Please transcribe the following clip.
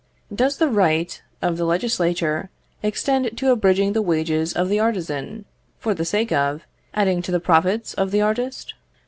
Does the right of the legislator extend to abridging the wages of the artisan, for the sake of, adding to the profits of the artist?